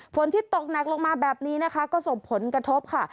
ฝนตกหนักลงมาแบบนี้นะคะก็ส่งผลกระทบค่ะ